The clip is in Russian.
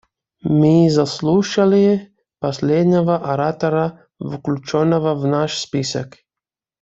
Мы заслушали последнего оратора, включенного в наш список.